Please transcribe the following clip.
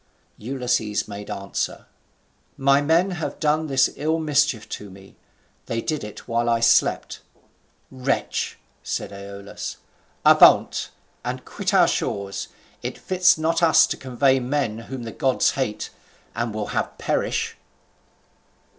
Ulysses made answer: "My men have done this ill mischief to me; they did it while I slept." "Wretch!" said Aeolus, "avaunt, and quit our shores: it fits not us to convoy men whom the gods hate, and will have perish."